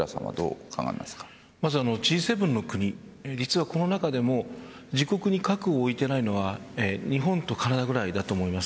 まずはＧ７の国実はこの中でも自国に核を置いていないのは日本とカナダぐらいだと思います。